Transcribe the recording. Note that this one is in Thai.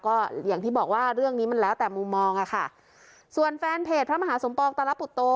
ก็อย่างที่บอกว่าเรื่องนี้มันแล้วแต่มุมมองอ่ะค่ะส่วนแฟนเพจพระมหาสมปองตลปุตโต